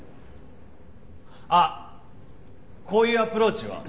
あっこういうアプローチは？